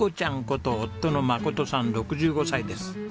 こと夫の眞さん６５歳です。